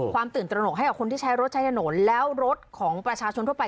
ตื่นตระหนกให้กับคนที่ใช้รถใช้ถนนแล้วรถของประชาชนทั่วไป